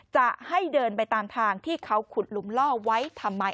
จะให้เดินไปตามทางที่เขาขุดหลุมล่อไว้ทำไม